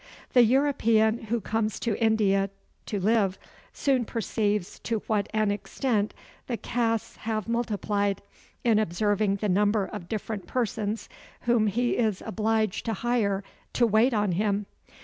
The European who comes to India to live soon perceives to what an extent the castes have multiplied in observing the number of different persons whom he is obliged to hire to wait on him.